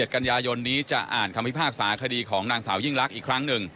กันยายนนี้จะอ่านคำพิพากษาคดีของนางสาวยิ่งลักษณ์อีกครั้งหนึ่ง